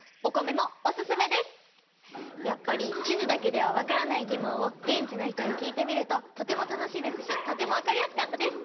やっぱり地図だけでは分からない疑問を現地の人に聞いてみるととても楽しいですしとても分かりやすかったです。